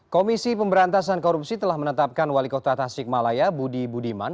komisi pemberantasan korupsi telah menetapkan wali kota tasik malaya budi budiman